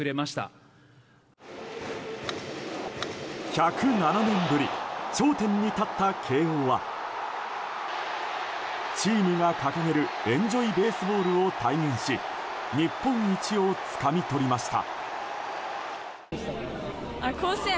１０７年ぶり頂点に立った慶応はチームが掲げるエンジョイベースボールを体現し日本一をつかみ取りました。